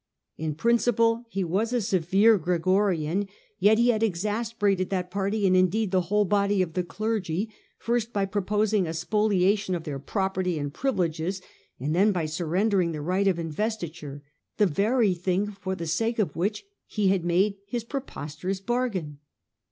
In principle he was a severe Gregorian, yet he had exasperated that party, and indeed the whole body of the clergy, first by proposing a spolia tion of their property and privileges, and then by sur rendering the right of investiture, the very thing for the sake of which he had made this preposterous bargain.